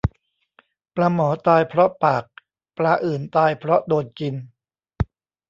ปลาหมอตายเพราะปาก ปลาอื่นตายเพราะโดนกิน